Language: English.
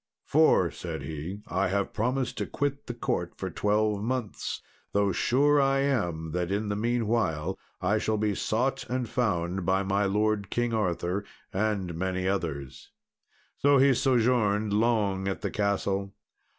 "For," said he, "I have promised to quit the court for twelve months, though sure I am that in the meanwhile I shall be sought and found by my lord King Arthur and many others." So he sojourned long at the castle.